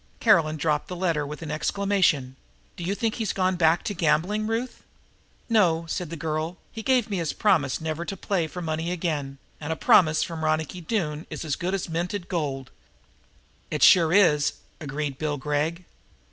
Caroline dropped the letter with an exclamation. "Do you think he's gone back to gambling, Ruth?" "No," said the girl. "He gave me his promise never to play for money again, and a promise from Ronicky Doone is as good as minted gold." "It sure is," agreed Bill Gregg.